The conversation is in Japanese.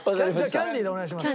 キャンディーでお願いします。